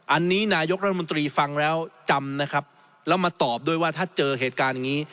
อันนี้นายกรัฐมนตรีฟังแล้วจำนะครับแล้วมาตอบด้วยว่าถ้าเจอเหตุการณ์อย่างนี้